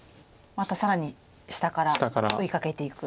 また更に下から追いかけていく。